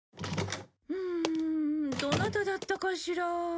うんどなただったかしら？